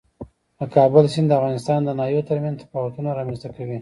د کابل سیند د افغانستان د ناحیو ترمنځ تفاوتونه رامنځ ته کوي.